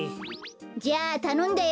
じゃあたのんだよ。